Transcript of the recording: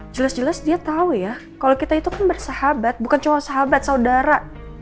jelas jelas dia tahu ya kalau kita itu kan bersahabat bukan cuma sahabat saudara